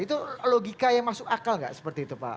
itu logika yang masuk akal nggak seperti itu pak